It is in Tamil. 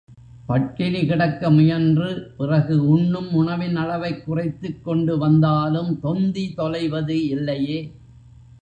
பட்டினி கிடக்க முயன்று, பிறகு உண்ணும் உணவின் அளவைக் குறைத்துக் கொண்டு வந்தாலும், தொந்தி தொலைவது இல்லையே?